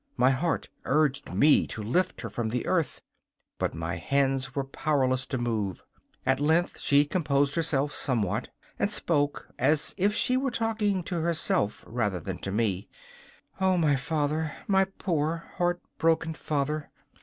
My heart urged me to lift her from the earth, but my hands were powerless to move. At length she composed herself somewhat and spoke, but as if she were talking to herself rather than to me: 'Oh, my father, my poor, heart broken father!